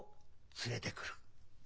「連れてくる」。